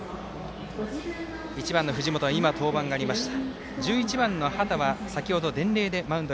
１番の藤本は今、登板がありました。